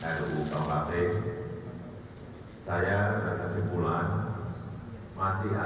saya berkesimpulan masih ada matri matri yang membutuhkan pendahuluan lebih lanjut